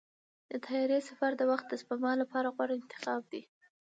د طیارې سفر د وخت د سپما لپاره غوره انتخاب دی.